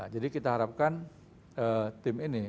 jadi kita harapkan tim ini